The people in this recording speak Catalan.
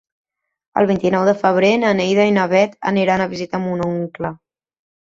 El vint-i-nou de febrer na Neida i na Bet aniran a visitar mon oncle.